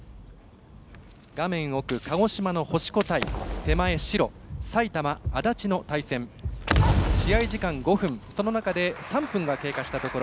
画面奥、鹿児島の星子対手前の白の埼玉、足立の対戦。試合時間５分その中で３分が経過したところ。